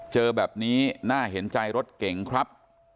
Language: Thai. เจอแบบนี้น่าเห็นใจรถเก่งครับ